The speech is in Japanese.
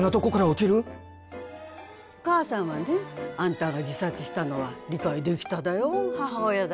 お母さんはねあんたが自殺したのは理解できただよ母親だで。